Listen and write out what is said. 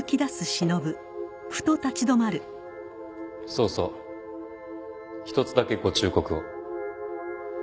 そうそう１つだけご忠告を。